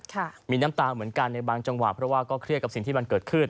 มีแน่น้ำตาเหมือนกันในบางจังหวะเพราะว่าเครียดเขาเกิดขึ้น